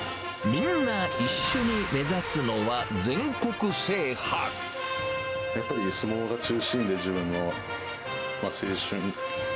みんな一緒に目指すのは、やっぱり相撲が中心で自分の青春。